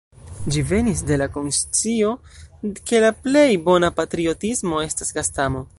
Ĝi venis de la konscio, ke la plej bona patriotismo estas gastamo!